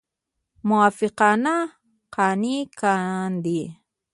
موافقان قانع کاندي.